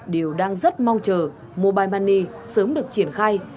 đều đang rất mong chờ mobile money sớm được triển khai